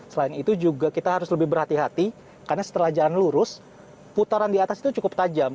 selain itu juga kita harus lebih berhati hati karena setelah jalan lurus putaran di atas itu cukup tajam